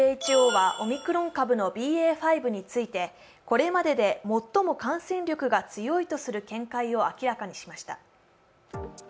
ＷＨＯはオミクロン株のＢＡ．５について、これまでで最も感染力が強いとする見解を明らかにしました。